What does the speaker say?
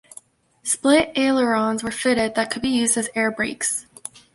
Split ailerons were fitted that could be used as airbrakes.